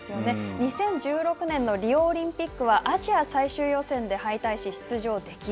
２０１６年のリオオリンピックはアジア最終予選で敗退し出場できず。